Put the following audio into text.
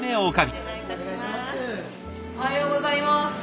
おはようございます。